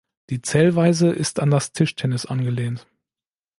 Die Zählweise ist an das Tischtennis angelehnt.